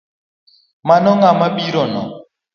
Mano ng’a mabirono?